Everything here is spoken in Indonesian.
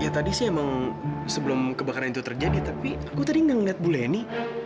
ya tadi sih emang sebelum kebakaran itu terjadi tapi aku tadi ngeliat bu leni